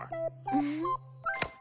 うん。